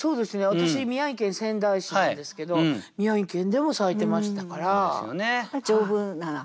私宮城県仙台市なんですけど宮城県でも咲いてましたから。